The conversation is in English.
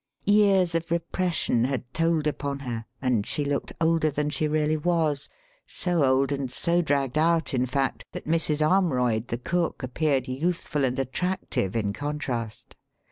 Years of repression had told upon her, and she looked older than she really was so old and so dragged out, in fact, that Mrs. Armroyd, the cook, appeared youthful and attractive in contrast.